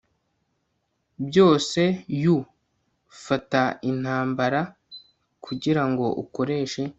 byose you fata intambara kugirango ukoreshe